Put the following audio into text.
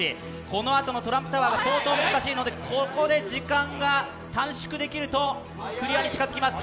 このあとのトランプタワーが相当難しいので、ここで時間が短縮できるとクリアに近づきます。